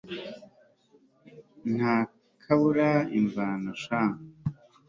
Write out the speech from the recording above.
nta kabura imvano sha